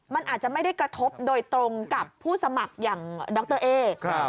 มันอาจจะไม่ได้กระทบโดยตรงกับผู้สมัครอย่างดรเอ๊